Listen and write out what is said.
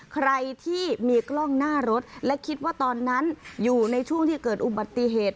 ใครที่มีกล้องหน้ารถและคิดว่าตอนนั้นอยู่ในช่วงที่เกิดอุบัติเหตุ